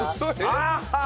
ああ！